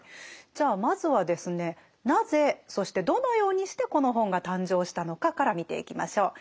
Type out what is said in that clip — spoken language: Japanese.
じゃあまずはですねなぜそしてどのようにしてこの本が誕生したのかから見ていきましょう。